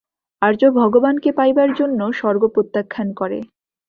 আর্য ভগবানকে পাইবার জন্য স্বর্গ প্রত্যাখ্যান করে।